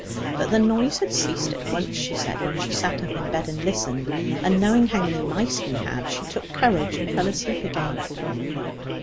But the noise had ceased at once, she said, when she sat up in bed and listened; and knowing how many mice we had, she took courage and fell asleep again.